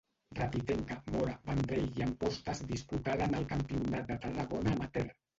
Rapitenca, Mora, Vendrell i Amposta es diputaren el campionat de Tarragona amateur.